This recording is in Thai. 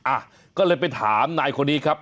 อ่ะก็เลยไปถามนายคนนี้ครับ